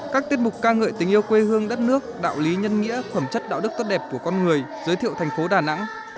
các tiết mục ca ngợi tình yêu quê hương đất nước đạo lý nhân nghĩa khẩm chất đạo đức tốt đẹp của con người giới thiệu thành phố đà nẵng